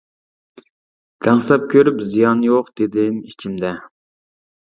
دەڭسەپ كۆرۈپ «زىيان يوق» دېدىم ئىچىمدە.